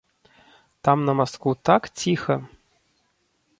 Там на мастку так ціха.